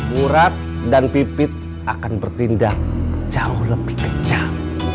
murat dan pipit akan bertindak jauh lebih kencang